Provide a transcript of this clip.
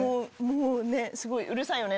もうねすごいうるさいよね。